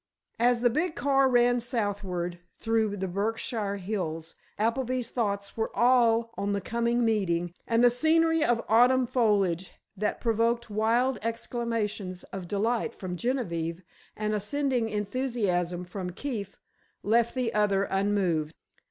As the big car ran southward through the Berkshire Hills, Appleby's thoughts were all on the coming meeting, and the scenery of autumn foliage that provoked wild exclamations of delight from Genevieve and assenting enthusiasm from Keefe left the other unmoved.